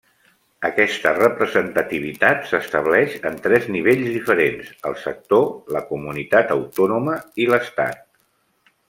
Aquesta representativitat s'estableix en tres nivells diferents: el sector, la comunitat autònoma i l'estat.